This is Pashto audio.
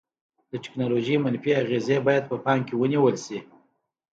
د ټیکنالوژي منفي اغیزې باید په پام کې ونیول شي.